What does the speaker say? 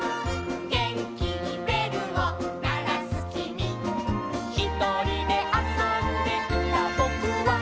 「げんきにべるをならすきみ」「ひとりであそんでいたぼくは」